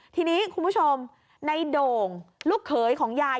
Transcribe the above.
ทีนี้คุณผู้ชมในโด่งลูกเขยของยาย